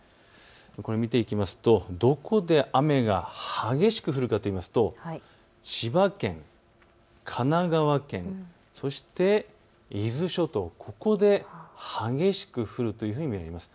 見ていきますと、どこで雨が激しく降るかといいますと千葉県、神奈川県、そして伊豆諸島、ここで激しく降るというふうに見られます。